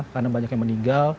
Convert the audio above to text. karena banyak yang meninggal